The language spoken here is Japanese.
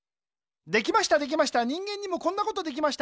できましたできました人間にもこんなことできました。